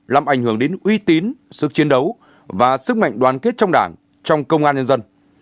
làm ảnh hưởng đến uy tín sức chiến đấu và sức mạnh đoàn kết trong đảng trong công an nhân dân